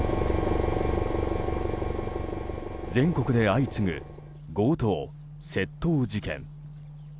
全国で相次ぐ強盗・窃盗事件。